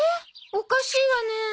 おかしいわねえ。